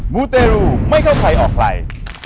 มูเตรูไม่เข้าใครออกใคร